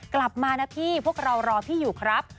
กลับมานะพี่พวกเรารอพี่อยู่ครับ